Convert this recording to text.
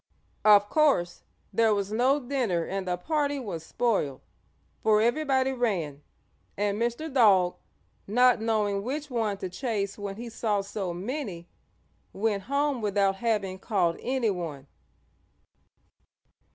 Of course there was no dinner and the party was spoiled, for everybody ran, and Mr. Dog, not knowing which one to chase when he saw so many, went home without having caught anyone.